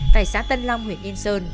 tại xã tân long huyện yên sơn